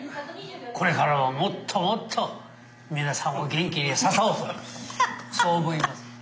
これからはもっともっと皆さんを元気にさそうとそう思います。